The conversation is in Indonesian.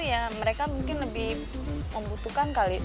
ya mereka mungkin lebih membutuhkan kali